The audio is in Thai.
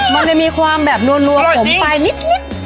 มันจะมีความแบบนัวขมไปนิด